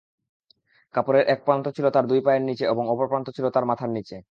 কাপড়ের একপ্রান্ত ছিল তাঁর দুই পায়ের নিচে এবং অপরপ্রান্ত ছিল তাঁর মাথার নিচে।